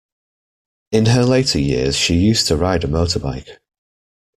In her later years she used to ride a motorbike